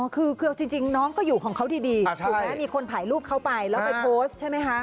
คือจริงน้องก็อยู่ของเขาดีถูกไหมมีคนถ่ายรูปเขาไปแล้วไปโพสต์ใช่ไหมคะ